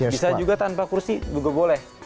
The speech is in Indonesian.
bisa juga tanpa kursi juga boleh